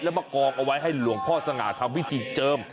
แล้วมากองเอาไว้ให้หลวงพ่อสง่าทำพิธีเจิม